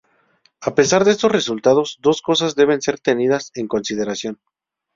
A pesar de estos resultados, dos cosas deben ser tenidas en consideración.